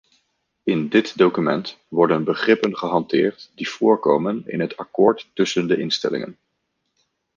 In dit document worden begrippen gehanteerd die voorkomen in het akkoord tussen de instellingen.